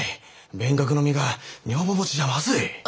勉学の身が女房持ちじゃまずい。